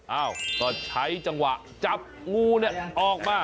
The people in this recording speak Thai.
เอ้าก็ใช้จังหวะจับงูเนี่ยออกมา